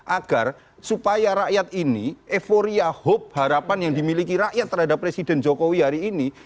agar supaya rakyat ini euforia hope harapan yang dimiliki rakyat terhadap presiden jokowi hari ini